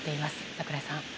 櫻井さん。